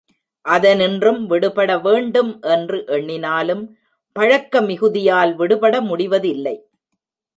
அதனின்றும் விடுபட வேண்டும் என்று எண்ணினாலும் பழக்க மிகுதியால் விடுபட முடிவதில்லை.